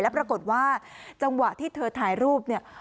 ปรากฏว่าจังหวะที่เธอถ่ายรูปเนี่ย